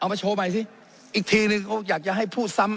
มาโชว์ใหม่สิอีกทีนึงเขาอยากจะให้พูดซ้ำ